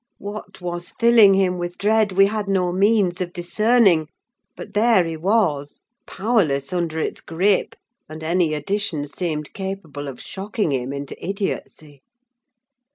What was filling him with dread we had no means of discerning; but there he was, powerless under its gripe, and any addition seemed capable of shocking him into idiocy.